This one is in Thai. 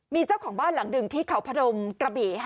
มีเจ้าของบ้านหลังหนึ่งที่เขาพนมกระบี่